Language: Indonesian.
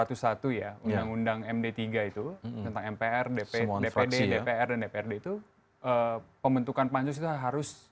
undang undang md tiga itu tentang mpr dpd dpr dan dprd itu pembentukan pansus itu harus